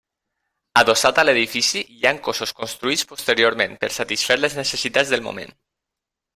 Adossat a l’edifici, hi han cossos construïts posteriorment, per satisfer les necessitats del moment.